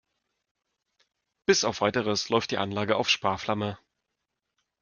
Bis auf Weiteres läuft die Anlage auf Sparflamme.